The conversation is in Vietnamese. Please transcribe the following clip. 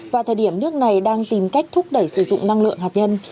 vào thời điểm nước này đang tìm cách thúc đẩy sử dụng năng lượng hạt nhân